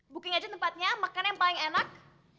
booking aja tempatnya makan yang paling enak